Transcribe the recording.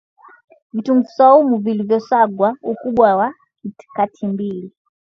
Vitunguu swaumu vilivyo sagwa Ukubwa wa katimbili